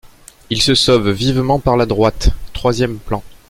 Il se sauve vivement par la droite, troisième plan.